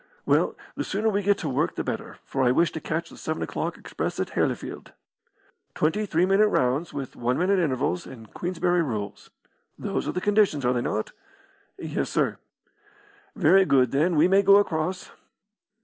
Well, the sooner we get to work the better, for I wish to catch the seven o'clock express at Hellifield. Twenty three minute rounds, with one minute intervals, and Queensberry rules. Those are the conditions, are they not?" "Yes, sir." "Very good, then we may go across."